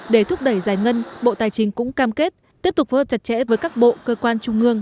để thúc đẩy giải ngân bộ tài chính cũng cam kết tiếp tục phối hợp chặt chẽ với các bộ cơ quan trung ương